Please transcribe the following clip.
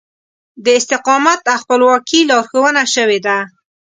د استقامت او خپلواکي لارښوونه شوې ده.